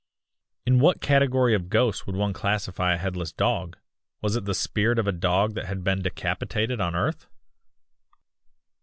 "In what category of ghosts would one classify a headless dog; Was it the spirit of a dog that had been decapitated on earth?